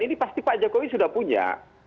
ini pasti pak jokowi sudah punya